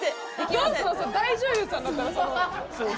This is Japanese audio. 大女優さんだったらその。